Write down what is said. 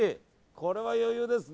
これは余裕ですね。